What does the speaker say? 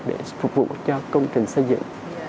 để phục vụ cho công trình xây dựng